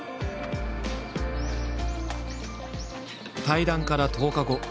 対談から１０日後。